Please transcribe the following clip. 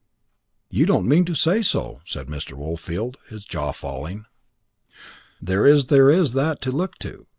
"You don't mean to say so," said Mr. Woolfield, his jaw falling. "There is there is that to look to.